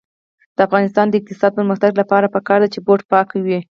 د افغانستان د اقتصادي پرمختګ لپاره پکار ده چې بوټ پاک وي.